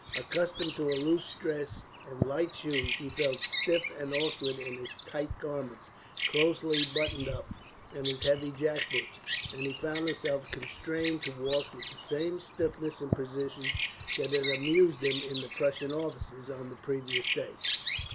Accustomed to a loose dress and light shoes, he felt stiff and awkward in his tight garments, closely buttoned up, and his heavy jack boots; and he found himself constrained to walk with the same stiffness and precision that had amused him in the Prussian officers, on the previous day.